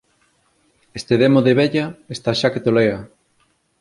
Este demo de vella está xa que tolea!